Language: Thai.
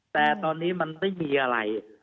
แต่ตอนนี้มันไม่มีอะไร